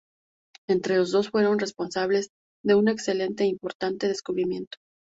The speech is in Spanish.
Entre los dos fueron responsables de un excelente e importante descubrimiento.